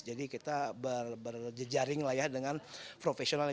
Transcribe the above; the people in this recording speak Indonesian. jadi kita berjejaring dengan profesional